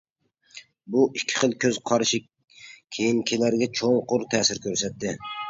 بۇ ئىككى خىل كۆز قارىشى كېيىنكىلەرگە چوڭقۇر تەسىر كۆرسەتكەن.